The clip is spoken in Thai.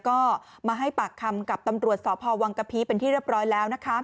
ก็มาให้ปากคำกับตำรวจสพวังกะพีเป็นที่เรียบร้อยแล้วนะคะ